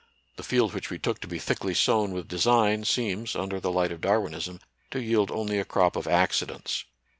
The field which we took to be thickly sown with design seems, under the light of Darwinism, to yield only a crop of accidents.